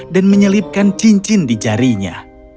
dan menyelipkan cincin di jarinya